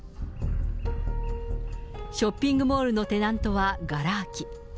ショッピングモールのテナントはがら空き。